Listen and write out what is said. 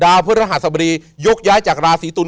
ดาวพฤหาสบดียกย้ายจากลาศรีตุล